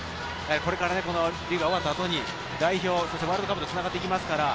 これからリーグが終わった後に代表、ワールドカップと繋がっていきますから。